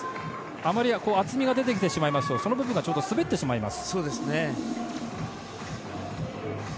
あまり厚みが出てきてしまいますとその部分が滑ってしまいます。